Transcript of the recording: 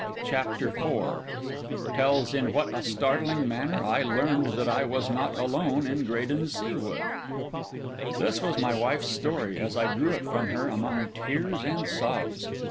CHAPTER IV TELLS IN WHAT A STARTLING MANNER I LEARNED THAT I WAS NOT ALONE IN GRADEN SEA WOOD This was my wife's story, as I drew it from her among tears and sobs.